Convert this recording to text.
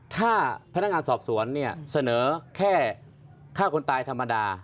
ถ้าพนักงานสอบสวนเนี่ยเสนอแค่ฆ่าคนตายธรรมดา